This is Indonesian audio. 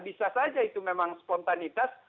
bisa saja itu memang spontanitas